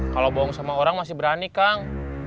kalau bohong sama orang masih berani kang